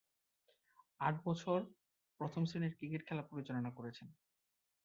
আট বছর প্রথম-শ্রেণীর ক্রিকেট খেলা পরিচালনা করেছেন।